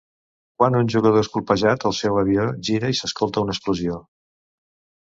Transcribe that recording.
Quan un jugador és colpejat, el seu avió gira i s'escolta una explosió.